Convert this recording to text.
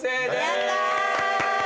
やった。